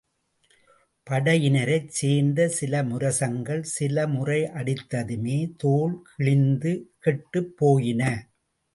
படையினரைச் சேர்ந்த சில முரசங்கள், சில முறை அடித்ததுமே தோல் கிழிந்து கெட்டுப் போயின.